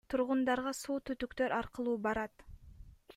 Тургундарга суу түтүктөр аркылуу барат.